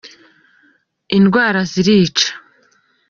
indwara zirica.